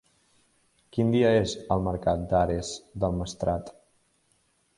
Quin dia és el mercat d'Ares del Maestrat?